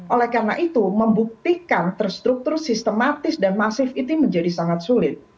oleh karena itu membuktikan terstruktur sistematis dan masif itu menjadi sangat sulit